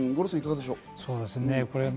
五郎さん、いかがですか？